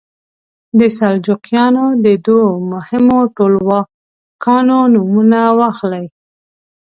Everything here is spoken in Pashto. د سلجوقیانو د دوو مهمو ټولواکانو نومونه واخلئ.